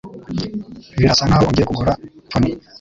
Birasa nkaho ugiye kugura pony.